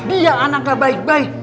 dia anaknya baik baik